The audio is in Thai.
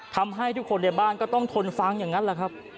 ทำให้ทุกคนในบ้านก็ต้องทนฟังอย่างนั้นแหละครับ